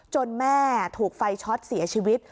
แม่ถูกไฟช็อตเสียชีวิต